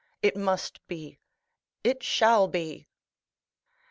It must be; it shall be."